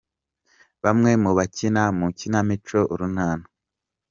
Bamwe mu bakina mu ikinamico urunana.